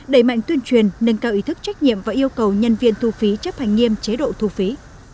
đẩy mạnh tuyên truyền nâng cao ý thức trách nhiệm và yêu cầu nhân viên thu phí chấp hành nghiêm chế độ thu phí